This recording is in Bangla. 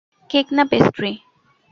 কেক না পেস্ট্রি?